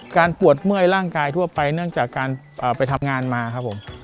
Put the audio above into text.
ปวดเมื่อยร่างกายทั่วไปเนื่องจากการไปทำงานมาครับผม